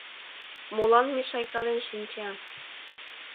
Молан мешайкален шинча?..